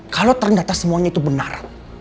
kalau ternyata semuanya itu benar